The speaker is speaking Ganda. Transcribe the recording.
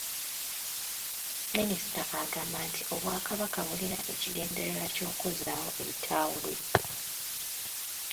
Minisita agamba nti Obwakabaka bulina ekigendererwa ky'okuzzaawo ebitaawuluzi